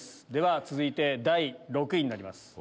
続いて第６位になります。